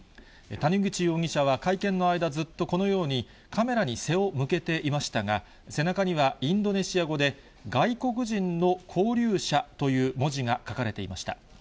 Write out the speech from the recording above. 谷口容疑者は会見の間、ずっとこのように、カメラに背を向けていましたが、背中には、インドネシア語で、外国人の勾留者という文字が書かれていました。